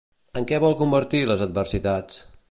En què vol convertir les adversitats?